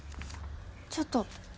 ちょっと。